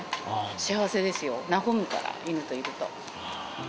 幸せですよ、和むから、犬といると。